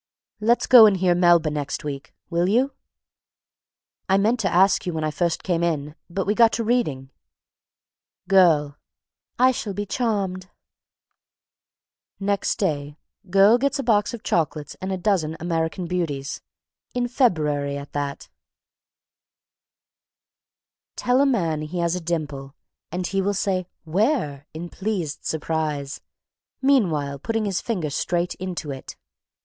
_) "Let's go and hear Melba next week, will you? I meant to ask you when I first came in, but we got to reading." GIRL. "I shall be charmed." Next day, GIRL gets a box of chocolates and a dozen American Beauties in February at that. [Sidenote: Dimples and Dress Clothes] Tell a man he has a dimple and he will say "where?" in pleased surprise, meanwhile putting his finger straight into it.